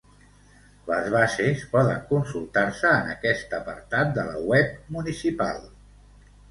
Les bases poden consultar-se en aquest apartat de la web municipal.